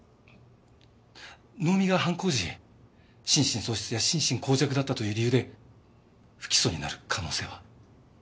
能見が犯行時心神喪失や心神耗弱だったという理由で不起訴になる可能性は？